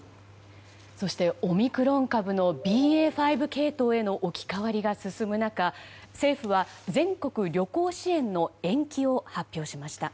そして、オミクロン株のＢＡ．５系統への置き換わりが進む中政府は全国旅行支援の延期を発表しました。